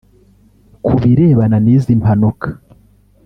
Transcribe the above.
Ku birebana n’izi mpanuka